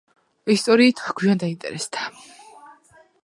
ისტორიით გვიან დაინტერესდა.